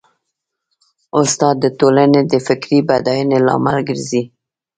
استاد د ټولنې د فکري بډاینې لامل ګرځي.